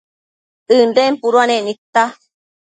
ënden puduanec nidta